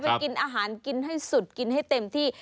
กินอาหารกินให้สุดกินให้เต็มที่